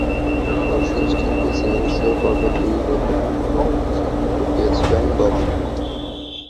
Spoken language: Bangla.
পরশু ওয়েস্ট ইন্ডিজ ইনিংসেও পরপর দুই বলে দুবার ভুল সিদ্ধান্ত দিয়েছিলেন গফ।